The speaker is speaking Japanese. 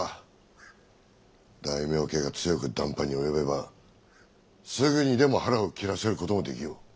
大名家が強く談判に及べばすぐにでも腹を切らせることもできよう。